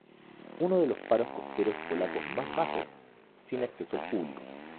Uno de los faros costeros polacos más bajos, sin acceso al público.